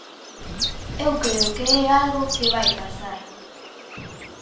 Eu creo que é algo que vai pasar.